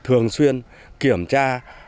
thường xuyên kiểm tra